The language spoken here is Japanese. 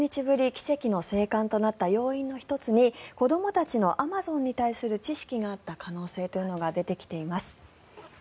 奇跡の生還となった要因の１つに子どもたちのアマゾンに対する知識があった可能性というのが出てきています。